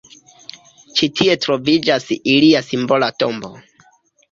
Ĉi tie troviĝas ilia simbola tombo.